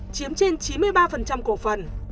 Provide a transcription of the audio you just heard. chiếm trên chín mươi ba cổ phần